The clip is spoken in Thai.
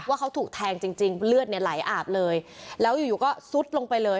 ว่าเขาถูกแทงจริงจริงเลือดเนี่ยไหลอาบเลยแล้วอยู่อยู่ก็ซุดลงไปเลย